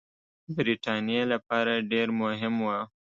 برټانیې لپاره ډېر مهم وه.